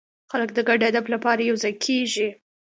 خلک د ګډ هدف لپاره یوځای کېږي.